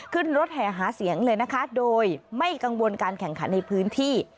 ขึ้นรถแห่หาเสียงเลยนะคะโดยไม่กังวลการแข่งขันในพื้นที่